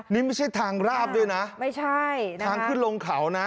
นี่ไม่ใช่ทางราบด้วยนะไม่ใช่นะทางขึ้นลงเขานะ